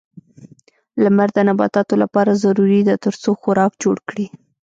لمر د نباتاتو لپاره ضروري ده ترڅو خوراک جوړ کړي.